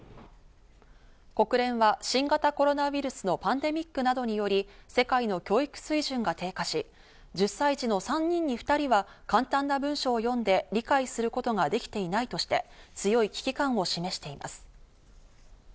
国連は新型コロナウイルスのパンデミックなどにより世界の教育水準が低下し、１０歳児の３人に２人は簡単な文章を読んで理解することができていないとして、強い危機感を示しています。